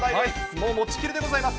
もうもちきりでございます。